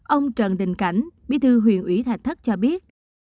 ông trần đình cảnh bí thư huyện ủy thạch thất cho biết